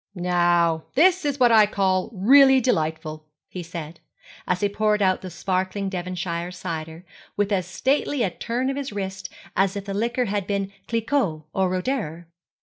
'Now this is what I call really delightful,' he said, as he poured out the sparkling Devonshire cider with as stately a turn of his wrist as if the liquor had been Cliquot or Roederer.